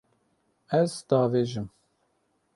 Ez diavêjim.